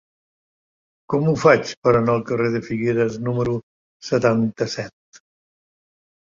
Com ho faig per anar al carrer de Figueres número setanta-set?